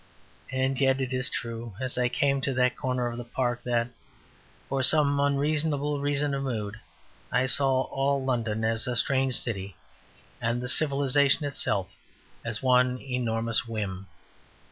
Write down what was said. And yet it is true as I came to that corner of the Park that, for some unreasonable reason of mood, I saw all London as a strange city and the civilization itself as one enormous whim.